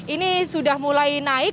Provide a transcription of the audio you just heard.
ini sudah mulai naik